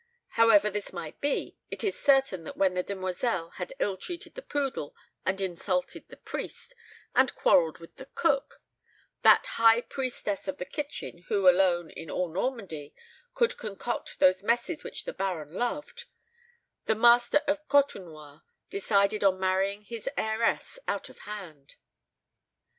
However this might be, it is certain that when the demoiselle had ill treated the poodle, and insulted the priest, and quarrelled with the cook that high priestess of the kitchen who alone, in all Normandy, could concoct those messes which the Baron loved the master of Côtenoir decided on marrying his heiress out of hand.